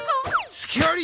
すきあり！